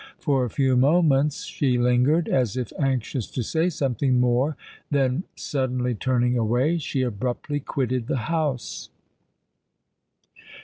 For a few moments she lingered—as if anxious to say something more: then, suddenly turning away, she abruptly quitted the house."